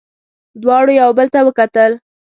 دواړو یو بل ته وکتل.